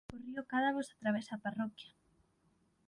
O río Cádavos atravesa a parroquia.